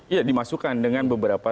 iya dimasukkan dengan beberapa